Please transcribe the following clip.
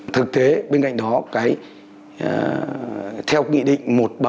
thực tế bên cạnh đó theo nghị định một trăm bảy mươi bảy